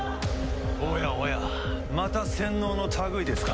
おやおやまた洗脳の類いですかな？